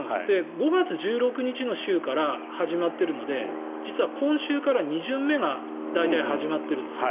５月１６日の週から始まっているので実は今週から２巡目が大体始まっているんです。